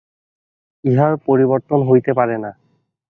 ইহার পরিবর্তন হইতে পারে না।